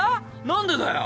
何でだよ。